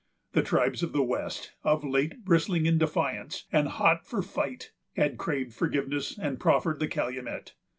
The tribes of the west, of late bristling in defiance, and hot for fight, had craved forgiveness, and proffered the calumet.